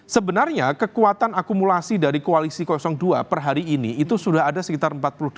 sebenarnya kekuatan akumulasi dari koalisi dua per hari ini itu sudah ada sekitar empat puluh delapan